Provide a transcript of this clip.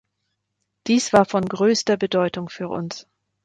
Dies war von größter Bedeutung für uns.